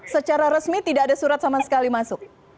secara resmi tidak ada surat sama sekali masuk